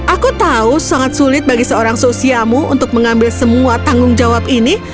aku tahu sangat sulit bagi seorang sosiamu untuk mengambil semua tanggung jawab ini